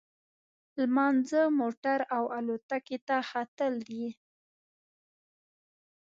لمانځه، موټر او الوتکې ته ختل دي.